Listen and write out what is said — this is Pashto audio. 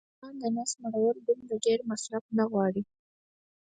د انسان د نس مړول دومره ډېر مصرف نه غواړي